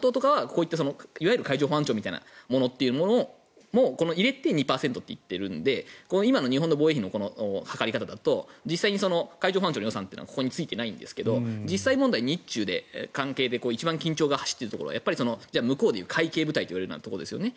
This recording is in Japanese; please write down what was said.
ＮＡＴＯというのは海上保安庁みたいなものも入れて２％といっているので今の日本の防衛費の測り方だと実際に海上保安庁の予算はここについていないんですが実際問題日中で緊張が走っているところはやっぱり向こうで言う海警部隊というところですね。